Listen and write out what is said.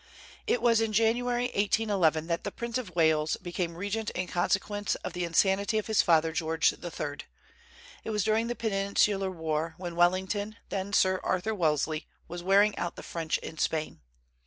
It was in January, 1811, that the Prince of Wales became regent in consequence of the insanity of his father, George III.; it was during the Peninsular War, when Wellington, then Sir Arthur Wellesley, was wearing out the French in Spain.